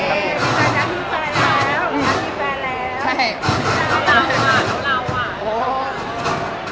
ต้องเล่าว่ะต้องเล่าว่ะ